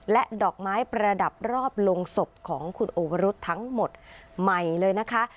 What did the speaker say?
และดอกไม้ประดับรอบลงศพของคุณโอวรุธทั้งหมดใหม่เลยนะคะ